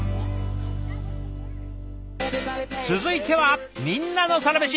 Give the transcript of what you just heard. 続いては「みんなのサラメシ」！